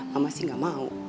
mama sih gak mau